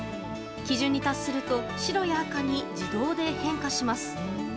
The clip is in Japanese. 基準に達すると白や赤に自動で変化します。